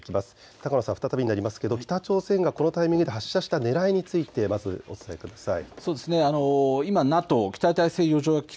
高野さん、再びになりますが北朝鮮がこのタイミングで発射したねらいについてまずお伝えください。